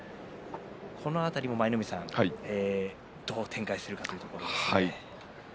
この辺りも舞の海さんどう展開するかというところですね。